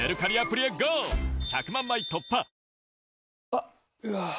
あっ、うわー。